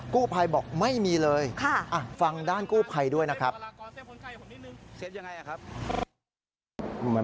กู้ภัยบอกไม่มีเลยฟังด้านกู้ภัยด้วยนะครับ